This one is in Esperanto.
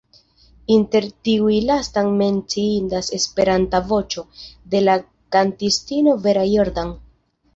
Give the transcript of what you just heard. Inter tiuj lastaj menciindas "Esperanta Voĉo", de la kantistino Vera Jordan.